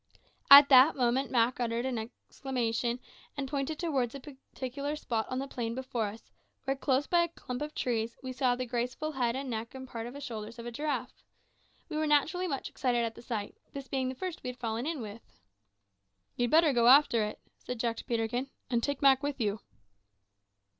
At that moment Mak uttered an exclamation, and pointed towards a particular spot in the plain before us, where, close by a clump of trees, we saw the graceful head and neck and part of the shoulders of a giraffe. We were naturally much excited at the sight, this being the first we had fallen in with. "You'd better go after it," said Jack to Peterkin, "and take Mak with you."